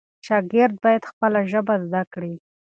شاګرد باید خپله ژبه زده کړي.